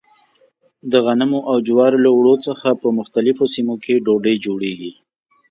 د غنمو او جوارو له اوړو څخه په مختلفو سیمو کې ډوډۍ جوړېږي.